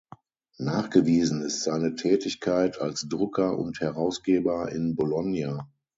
Nachgewiesen ist seine Tätigkeit als Drucker und Herausgeber in Bologna.